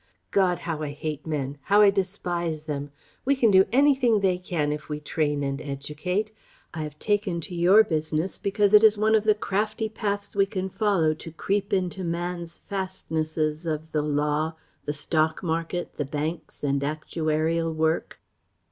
God! How I hate men; how I despise them! We can do anything they can if we train and educate. I have taken to your business because it is one of the crafty paths we can follow to creep into Man's fastnesses of the Law, the Stock Market, the Banks and Actuarial work..."